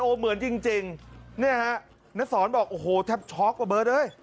โอ้เหมือนจริงจริงเนี่ยฮะนักศรบอกโอ้โหแทบช็อกประเบิดเฮ้ย